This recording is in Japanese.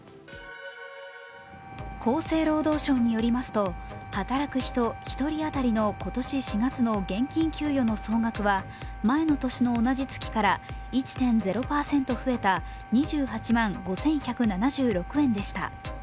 厚生労働省によりますと働く人１人当たりの今年４月の現金給与の総額は前の年の同じ月から１．０％増えた２８万５１７６円でした。